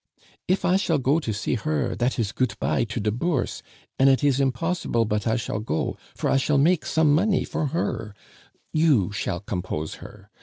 "If I shall go to see her, dat is goot bye to de Bourse; an' it is impossible but I shall go, for I shall make some money for her you shall compose her.